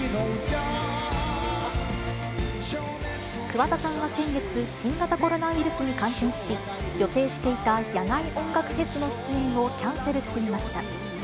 桑田さんは先月、新型コロナウイルスに感染し、予定していた野外音楽フェスの出演をキャンセルしていました。